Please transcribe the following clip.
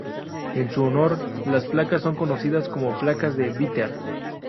En su honor las placas son conocidas como "placas de Bitter".